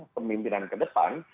pemimpinan ke depan